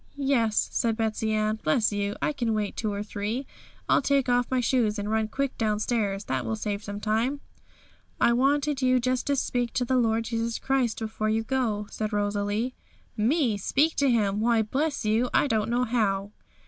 'Yes,' said Betsey Ann; 'bless you! I can wait two or three. I'll take off my shoes and run quick downstairs; that will save some time.' 'I wanted you just to speak to the Lord Jesus Christ before you go,' said Rosalie. 'Me speak to Him! Why, bless you! I don't know how.'